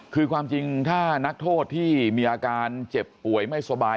คือความจริงถ้านักโทษที่มีอาการเจ็บป่วยไม่สบาย